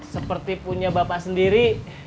seperti punya bapak sendiri